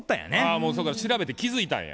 あもう調べて気付いたんや。